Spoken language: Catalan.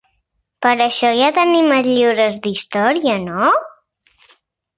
Per això ja tenim els llibres d'història, no?